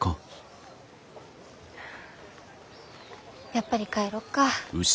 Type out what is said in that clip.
やっぱり帰ろうか。